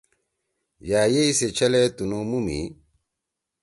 یأ ییئ سی چھلے تُنُو مُو می